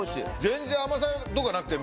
全然甘さとかなくて。